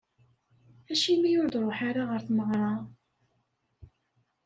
Acimi ur d-truḥ ara ɣer tmeɣra?